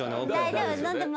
大丈夫。